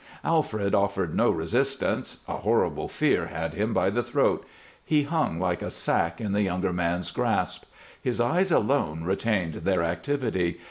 Alfred offered no resistance; a horrible fear had him by the throat; he hung like a sack in the younger man's grasp. His eyes alone retained their activity.